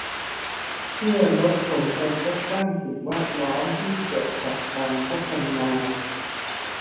เพื่อลดผลกระทบด้านสิ่งแวดล้อมที่เกิดจากการพัฒนา